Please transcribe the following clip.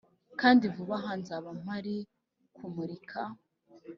kandi vuba aha nzaba mpari kumurika